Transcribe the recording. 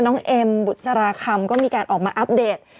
เอ็มบุษราคำก็มีการออกมาอัปเดต